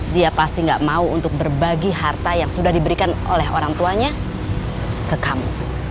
dia pasti gak mau untuk berbagi harta yang sudah diberikan oleh orang tuanya ke kamu